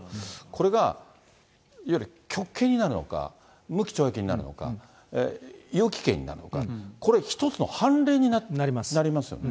これがいわゆる極刑になるのか、無期懲役になるのか、有期刑になるのか、これ、一つの判例になりますよね。